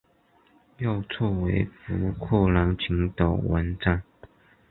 右侧为福克兰群岛纹章。